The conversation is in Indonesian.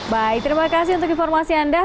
baik terima kasih untuk informasi anda